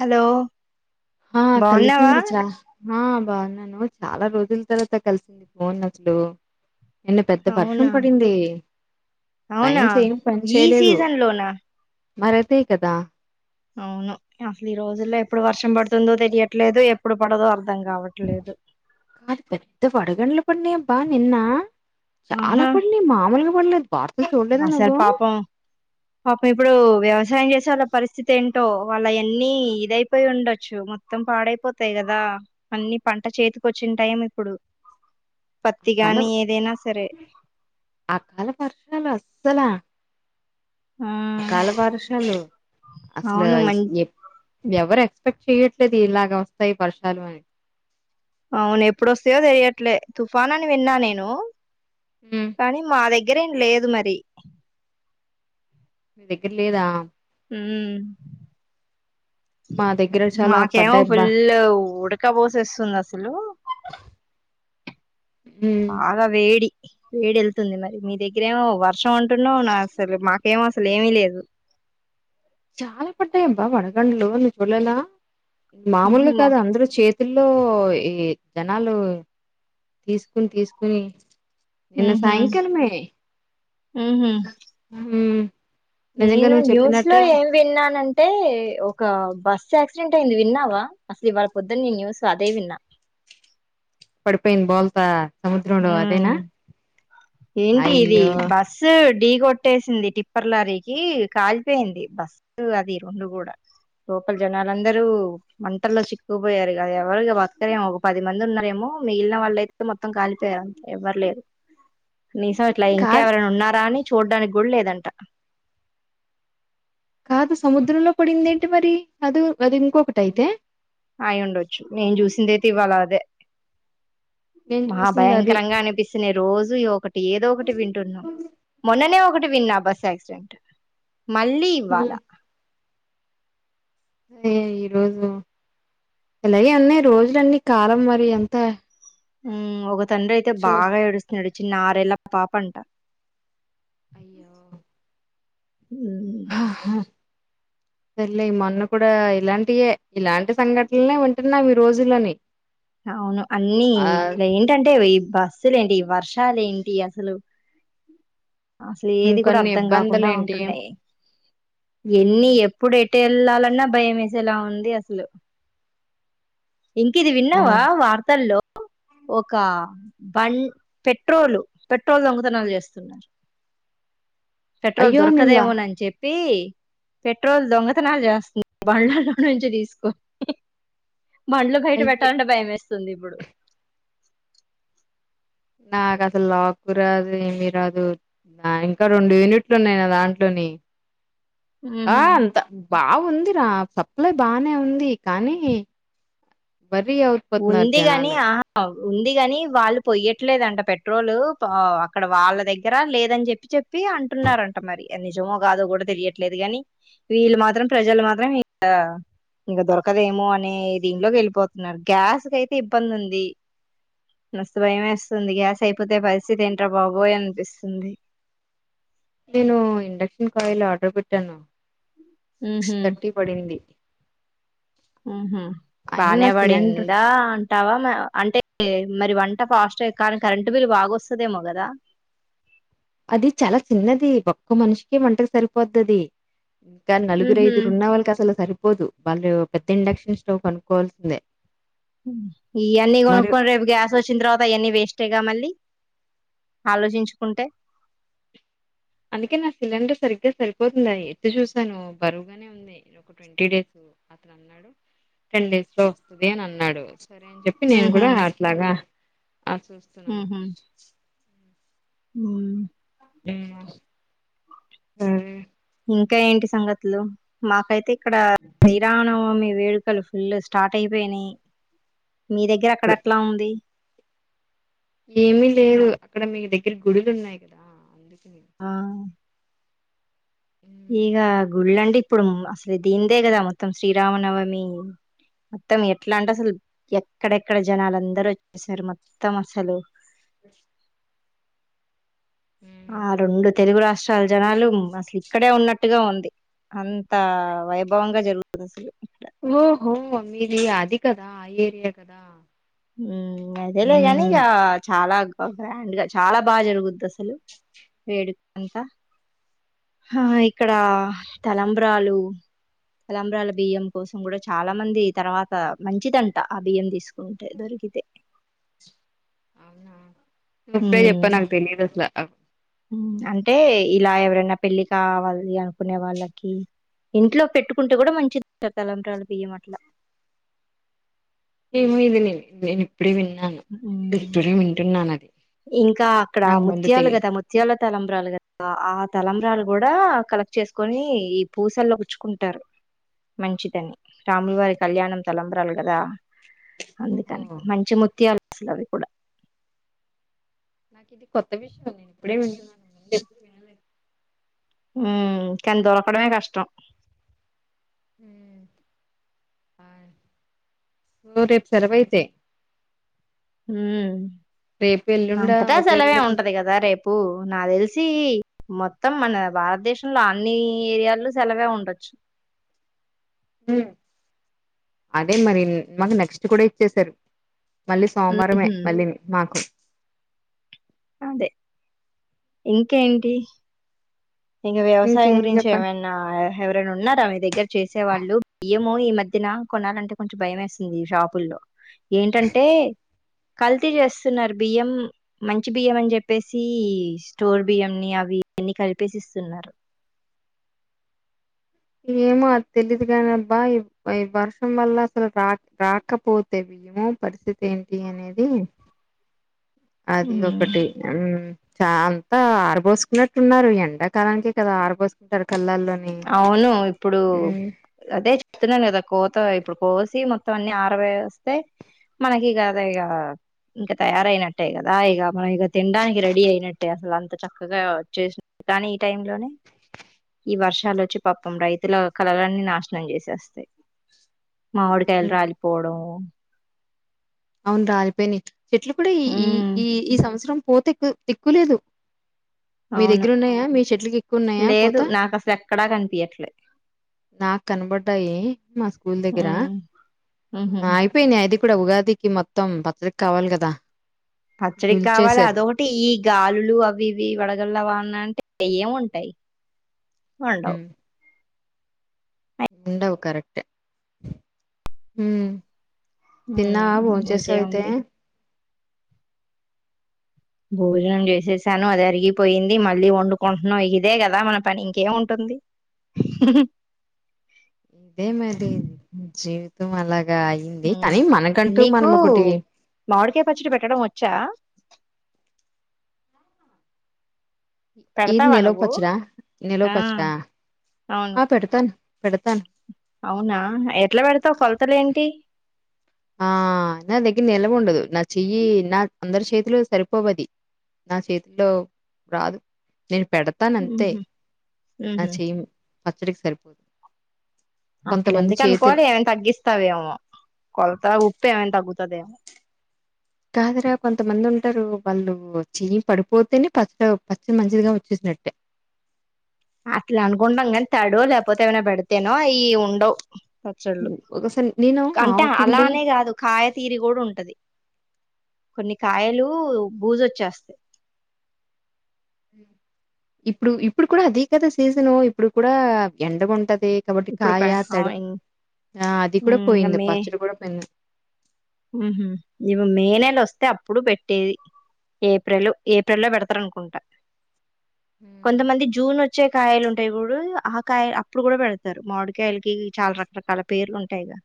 Hello ఆ బాగున్నావా కలిసిందీ చా ఆ బాగున్నాను చాలా రోజుల తర్వాత కలిసింది ఫోన్ అసలు నిన్న పెద్ద వర్షం అవునా పడింది అవునా లైన్స్ ఏమి పని ఈ చేయలేదు సీజన్ లోనా మరి అదే కదా అవును అసలు ఈ రోజుల్లో ఎప్పుడు వర్షం పడుతుందో తెయట్లేదు ఎప్పుడు పడదో అర్ కాదు పెద్ద వడగండ్లు పడినాయబా నిన్న చాలా ఆహా పడినాయి మామూలుగా పడలేదు వార్తలు చూడలేదా అసలు నువ్వు పాపం పాపం ఇప్పుడు వ్యవసాయం చేసే వాళ్ళ పరిస్థితి ఏంటో వాళ్ళ అన్నీ ఇదైపోయి ఉండొచ్చు మొత్తం పాడైపోతాయిదా కదా అన్ని పంట చేతికి వచ్చిన టైం ఇప్పుడు ఆ పత్తి కాల గాని ఏదైనా సరే ఆ కాలమం హర్షలు అస్సలా ఆ కాల వర్షాలు అసల అవును మం ఏ ఎవరు ఎక్స్పెక్ట్ చెయట్లేదు ఇలాగ వస్తాయి వర్షాలు అని అవును ఎప్పుడొస్తాయో తెలియట్లే తుఫాన్ అని విన్నా నేను ఉమ్, కానీ మా దగ్గరేం లేదు మరి మీీ దగ్గర లేదా హమ మా దగ్గర చాలా మాకేమో పడ్డాయి ఫుల్ ఉడకపోసేస్తుంది అసలు [inaudible] బా బాగా వేడి మరి మీ దగ్గరేమో వర్షం అంటున్నావు అసలు మాకేమో అసలు ఏమిీ లేదు చాలా పడ్డాయబ్బా వడగండ్లు నిబులల్ల ఉహు మామూలుగ మా కాదు అందరు చేత్ తుల్లో ఈ జనాలు తీసుకుని తీసుకుని నిన్న ఉహు సాయంకాలమే ఉహు హు నేను న్యూస్ లో ఏం విన్నానంటే ఒక బస్ యాక్సిడెంట్ అయింది విన్నావా అసలు ఇవాళ పొద్దున్నే న్యుస్ అదే విన్నా పడిపోైంది బోల్త హు మ్ ఏంటి ఇది అయ్యో! బస్సు ఢీగొట్టేసింది టిప్పర్ లారీకి కాలిపోయింది బస్సు అది రెండు కూడా లోపల జనాలందరూ మంటల్లో చిక్కుకుపోయారు గా ఎవరిగ బత్కరేమో ఒక పది మంది ఉన్నారేమో కు మీగిలిన వాళ్ళైతే మొత్ త్తం కాలిపోయారు ఎవ్వరు లేరు నిసం ఇట్లా ఇంకా కాదు, ఎవరైనా ఉన్నారా అని చూడ్డానికి కూడలేదంట కాదు సముద్రంలో పడింది ఏంటి మరి అది అది ఇంకొకటఅయితే అయ్యుండోడొచ్చు నేను చూసింది అయితే ఇవ్వాల అదే నేను మహా చూసిందది. భయంకరంగా అనిపిస్తుంది రోజు ఇగ ఒకటి ఏదో ఒకటి వింటున్నాం మొన్ననే ఒకటి విన్నా బస్ యాక్సిడెంట్ మళ్ళీ హ్మ్. ఇవ్వాలా ఏ ఈరోోజు ఇలాగే అన్నాయి రోజులన్నీ కాలం మరి ఎంత హు మ్ ఒక తండ్రి అయితే చూ బాగా ఏడుస్తున్నాడు చిన్నా ఆరెల్ల పాపంట అయ్యో! హుమ్ సరేలే మొన్న కూడా ఇలాంటియే ఇలాంటి సంఘటన్లే వింటున్నా మీ రోజులని అవును అన్నిీ ఇంట్ల ఏంటంటే బస్సులేంటి వర్షాలు ఏంటి అసలు అసలు ఏది కూడా ఇంకొన్ని అర్థం కాకుండా ఇబ్బందులేంటి ఉంటున్నాయ్ హ్మ్. ఎన్ని ఎప్పుడే టేళ్లాలన్నా భయమేసేలా ఉంది అసలు ఇంకిది విన్నావా వార్తల్లో అ ఒక బం పెట్రోలు పెట్రోల్ దొంగతనాలు చేస్తున్నారు పెట్రోల్ అయ్యో! నిల్ల దొరకదేమోనని చెప్పి పెట్రోల్ దొంగతనాల్ చేస్తునారు బండ్లల్లో నుంచి తీసుకొని బండ్లు బయట అయ్యి పెట్టాలంటే భయం మేస్తుంది ఇప్పుడు నాకు అసలు లాకు రాదు ఏమి రాదు ఆ ఇంకా రెండు యూనిట్లు ఉన్నాయి నా దాంట్లోని ఆ హుహు. అంత బాగుందిరా సప్లై బానే ఉంది కానీ వర్రీ అవుపోతున్నారు ఉంది గాని జనాలు. ఆహా ఉంది గాని వాళ్ళు పొయ్యట్లేదంట పెట్రోలు అక్కడ వాళ్ళ ప దగ్గర లేదని చెప్పి చెప్పి వి అంటున్నారంట మరి ఆది నిజమో కాదో కూడా తెలియట్లేదు కాని వీళ్ళు మాత్రం ప్రజలు మాత్రం [unintelligible] క ఇంకా దొరకదేమో అనే ది దింట్లోకి వెళ్ళిపోతున్నారు గ్యాస్ కయితే ఇబ్బంది ఉంది మస్త్ భయమేస్తుంది గ్యాస్ అయిపోతే పరిస్థితి ఏంటో బాబోయ్ అనిపిస్తుంది [inaudible] నేను ఇండక్షన్ కాయిల్ ఆర్డర్ పెట్టాను సిక్స్ హుహు. థర్టీ పడింది మ్ హు అయినా బానే సిలిండర్ పడిందా అంటావా మ అంటే మరి వంట ఫాస్టే కానీ కరెంటు బిల్ బాగొస్తదేమో కదా అది చాలా చిన్నది ఒక్క మనిషికి వంటకి సరిపోద్ది అది ఇంకా నలుగురు హుహు. ఐదురు ఉన్న వాళ్ళకి అసలు సరిపోదు వాళ్ళు పెద్ద ఇండక్షన్ స్టవ్ కొనుక్కోవాల్సిందే ఈయన్ని మరి కొనుకొని రేపు గ్యాస్ వచ్చిన తర్వాత ఈయన్ని వేస్ట్యగా మళ్ళీ ఆలోచించుకుంటే అందుకే నా సిలిండర్ సరిగ్గా సరిపోతుందా ఎత్తి చూసాను బరువుగానే ఉంది ఒక ట్వంటీ డేస్ టెన్ డేస్ లో వస్తది అని అన్నాడు సరే అని చెప్పి నేను ఉహు కూడా అట్లాగా అ చూస్తున్నాను ఊ ఏమో ఊ ఇంకా ఏంటి సంగతులు మాకైతే ఇక్కడ శ్రీరానవమి వేడు క్కలు ఫుల్ స్టార్ట్ అయిపోయినాయి మీ దగ్గర అక్కడ ఇప్పుడు ఏట్లా ఉంది ఏమీ లేదు అక్కడ మీ దగ్గర గుడులు ఉన్నాయి కదా అందుకని హ్మ్. ఇగ గుళ్ళంటే ఇప్పుడు అసలు దీందే కదా మొత్తం శ్రీరామనవమి మొత్తం ఎట్లా అంటే అసలు ఎక్కడెక్కడ జనాలు అందరూ వచ్చేసారు మొత్తం అసలు [inaudible] హ్మ్. ఆ రెండు తెలుగు రాష్ట్రాల జనాలు అసలు ఇక్కడే ఉన్నట్టు ట్టుగా ఉంది అంత వైభవంగా జరుగుతుంది అసలు ఇక్కడ ఓహో మీది అది కదా ఆ ఏరియా కదా ఊ అదేలే కని హ్మ్. ఇగా చాలా బ గ్రాండ్ గా చాలా బాగా జరుగుద్ది అసలు వేడుక అంతా హా ఇక్కడ తలంబ్రాలు తలంబ్రాల బియ్యం కోసం కూడా చాలా మంది తర్వాత మంచిదంట ఆ బియ్యం తీసుకొ టే దొరకితే నువ్వే చెప్పు ఉమ్ నాకు తెలిదు అసల అ ఉమ్, అంటే ఇలా ఎవరైనా పెళ్లి కావాలి అనుకునే వాళ్ళకి ఇంట్లో పెట్టుకుంటే కూడా మంచిది తలంబ్రాలు బియ్యం అట్లా ఇమిదిని మిను ఇప్పుడే విన్నాను ఉమ్ ఇప్పుడే వింటున్నాను అది ఇంకా అక్కడ నాకు ముందు ముత్యాలు తెలి కదా ముత్యాల తలంబ్రాలు కదా ఆ తలంబ్రాలు కూడా కలెక్ట్ చేసుకొని ఈ పూసల్లో గుచ్చుకుంటారు మంచిదని రాములు వారి కళ్యాణం తలంబ్రాలు కదా ఓహో అందుకని మంచి ముత్యలు అసలు అవి కూడా నాకు ఇది కొత్త విషయం నేను ఇప్పుడే వింటున్నాను ముందు ఎపుడు వినలేదు ఊ కనీ దొరకడమే కష్టం ఆ రేపు సెలవు ఐతే హ్మ్మ్ రేపు ఎల్లుండా అంతటా అవతల సెలవే ఎల్లుండకు ఉంటది కదా రేపు నా తెలిసి మొత్తం మన భారతదేశంలో అన్ని ఏరియాలో సెలవే ఉండొచ్చు అదే మరి మాక్ నెక్స్ట్ కూడా ఇచ్చెసారు మళ్ళీ సోమవారమే ఉహు మళ్ళీను మాకు అదే ఇంకేంటి ఇంగ వ్యవసాయం ఇంకేం గురించి చెప్పను ఏవన్నా ఎవరైనా ఉన్నార మీ దగ్గర చేసే వాళ్ళు బియ్యం అమ్మో ఈ మధ్యన కొనాలంటే కొంచెం భయం వేస్తుంది ఈషాపుల్లో ఏంటంటే కల్తీ చేస్తున్నారు బియ్యం మంచి బియ్యం అని చెప్పేసి స్టోర్ బియ్యంని అవి అన్ని కల్పేసిస్తున్నారు ఏమో తెలీదు కాని అబ్బా ఇ ఈ వర్షం వల్ల అసలు రా రాకపోతేవి ఏమో పరిస్థితి ఏంటి అనేది అది ఉమ్, ఒకటి ఊ చ అంతా ఆరపోసుకున్నట్టున్నారు ఎండాకాలానికి కదా ఆరపోసుకుంటారు అవును ఇప్పుడు హ్మ్ అదే చెప్తున్నాను కదా కోత ఇప్పుడు కోసి మొత్ మొతం అన్ని ఆరవేస్తే మనకికద ఇగ ఇంక తయారయినట్టే కదా ఇగ మనకి ఇగ తిండానికి రెడీ అయినట్టే అసల అం చక్కగా చేసిన కానీ ఈ టైంలోనే ఈ వర్షాలుచ్చి పాపం రైతుల కళలన్నీ నాషనం చేసేస్తాయి మామిడికాయలు హ్మ్ రాలిపోడం అవును రాలిపోయిని చెట్లు కూడా ఈ ఈ ఉమ్ ఈ ఈ సంవత్సరం పూతెక్కు తెక్కులేదు మీ అవును దగ్గర ఉన్నాయా మీ చెట్లుకి ఎక్కువన్నాయా లేదు పూతా నాకు అసలు ఎక్కడా కనిపియట్లే నాకు కనపడ్డాయి మా స్కూల్ దగ్గర ఉమ్ ఉహు అయిపోయినా అది ఇక్కడ ఉగాదికి మొత్తం పచ్చడ్కికావాలి కదా పచ్చడికి కావాలి దులిచేసారు అదొకటి ఈ గాలులు అవి ఇవి వడగల్ల వాన అంటే ఏం ఉంటాయి ఉండవు హ్మ్ ఉండవు కరెక్ట్ తిన్నా ఉమ్ బొంచేసావ అయితే ఇంకేముంది భోజనం చేసేసాను అది అరిగిపోయింది మళ్ళీ వండుకుంటున్నాం ఇదే కదా మన పని ఇంకేముంటుంది [inaudible] ఇంతే మరిది జీవితం అలా ఇ అయ్యంది ఉమ్ కానీ మనకంటూ నీకు మనం ఒకటి మామిడికాయ పచ్చడి పెట్టడం వచ్చా పెడతావా ఈనిలవ నువ్వు పచ్చడా నిలవ ఆ పచ్చడా అవును ఆ పెడతాను పెడతాను అవునా ఎట్లా పెడతావు కొలతలేంటి ఆ నా దగ్గర నిలవ ఉండదు నా చెయ్యి నా అందరి చేతిలు సరిపోవది నా చేతుల్లో రాదు నేను పెడతానంతే ఉహు నా ఉహు చెయి పచ్చడికి సరిపోదు అట్లు కొంతమంది ఎందుకు అనుకోవాలి చేతులు ఏమన్న తగ్గిస్తావేమో కొ ర ఉప్పేఎమన్నా తగుతదేమో కాదురా కొంతమంది ఉంటరు వాళ్ళు చెయ్యి పడిపోతేనే పచ్చ పచ్చడి మంచిదిగా వచ్చే నట్ట అట్లా అనుకుంటాం గానీ తడు లేకపోతే ఏమైనా పెడితేనో ఈ ఉండవు పచ్చళ్ళు ఒకసారి నేను అంత ఆవు పిండి అలానే కాదు కాయతీరి కూడా ఉంటది కొన్ని కాయలు బూజువచ్చేస్తాయి ఇప్పుడు ఇప్పుడు కూడా అదే కదా సీజను ఇప్పుడు కూడా ఎండగా ఉంటది కాబట్టి ఇప్పుడు ప కాయ తడి ఆ అది కూడా ఇంగ పోయింది పచ్చడి కూడా పోయింది ఉహ ఇ మే నెల వస్తే అప్పుడు పెట్టేది ఏప్రిల్ ఏప్రిల్లో పెడతారు అనుకుంటా హ్మ్. కొంతమంది జూన్ వచ్చి వచ్చే కాయలు ఉంటాయి కూడా ఆ కాయలు అప్పుడు కూడా పెడతారు మామిడికాయలకి చాలా రకరకాల పేర్లు ఉంటాయిగా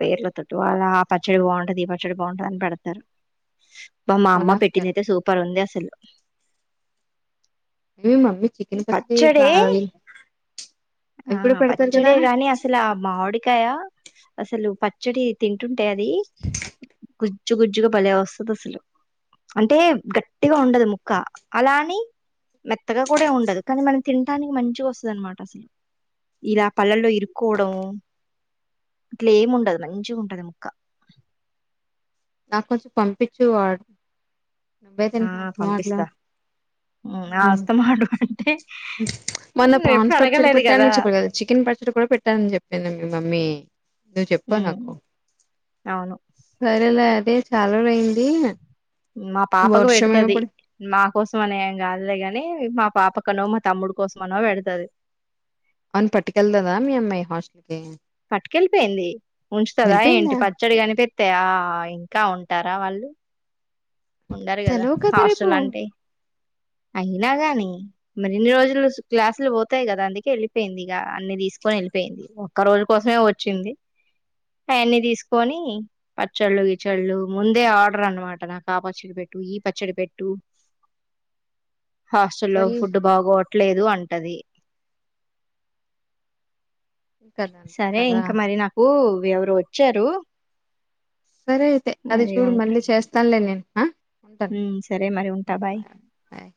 పేర్ల తుట్టు వాళ్ళ ఆ పచ్చడి బాగుంటది ఈ పచ్చడి బాగుంటది అని పెడతారు మా మా అమ్మ కొనాస్కార పెట్టినయితే సూపర్ ఉంది అసలు ఏవి మమ్మీ చికన్ పచ్చిడి పచ్చడే ప్రాయి ఆ పచ్చడి గాని అసలు మామిడికాయ అసలు పచ్చడి తింటుంటె అది గుజ్జుగుజ్జుగా బాలే వస్తుంది అసలు అంటే గట్టిగా ఉండదు ముక్క అలాని మెత్తగా కూడా ఉండదు కానీ మనం తినటానికి మంచిగా వస్తుంద అనమాట అసలు ఇలా పళ్లల్లో ఇరుక్కోవడం ఇట్లా ఏముండదు మంచిగ ఉంటది ముక్కా నాకు కొంచెం పంపించు వాడ నవబయి ఆ తండి నాకుమట్లో పంపిస్తా [inaudible] మ్మ్ ఆ వస్తమాడు అంటే మొన్న నువ్వు ఎప్పుడు ప్రాన్స్ పచ్చడి అడగలేదు పెట్టాని కదా నువ్వు చెప్పగదా చికెన్ [inaudible] పచ్చడి కూడా పెట్టానని చెప్పింది మీ మమ్మీ నువ్వు చెప్పావు మ్మ్ నాకు అవును సరేలే అదే చాలా అయింది మా పాపకు పెడుతది మా కోసం అనేం కాదులే గాని మా పాపకనో మా తమ్ముడు కోసం అనో పెడతది అవును పట్టుకెళ్దదా మీ అమ్మాయి హాస్టల్ కి అక్కటుకెళ్ళిపోయింది ఉంచుదా ఏంటి వెళ్ళిపోయిందా? పచ్చడి కాని పె తె అ ఇంకా ఉంటారా వాళ్ళు ఉండరు సెలవు కదా రేపు హాస్టల్ అంటే అయినా గాని మరిన్ని రోజులు క్లాసులు పోతాయి కదా అందుకే వెళ్ళిపోయింది ఇక అన్ని తీసుకొని వెళ్ళ వెళ్పోయింది ఒక్క రోజు కోసమే వచ్చింది అవన్నీ తీసుకొని పచ్చళ్ళు గీచళ్ళు ముందే ఆర్డర్ అన్నమాట నాకు ఆ పచ్చడి పెట్టు ఈ పచ్చడి పెట్టు హాస్టలో సల్ ఫుడ్ బాగొ ట్లేదు అంటది కదంతా సరే కదా ఇంకా మరి నాకు ఎవరో వచ్చారు సరే అయితే అది మరి చూడు ఉంటా మళ్ళీ చేస్తానులే నేను ఉంటాను ఉమ్, సరే మరి ఉంటా బాయ్